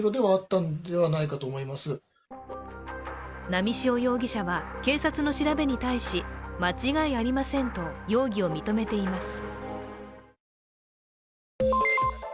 波汐容疑者は警察の調べに対し間違いありませんと容疑を認めています。